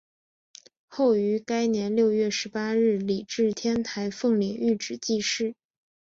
后于该年六月十八日礼置天台奉领玉旨济世。